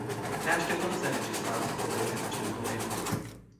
Ne așteptăm să înregistrați progrese în acest domeniu.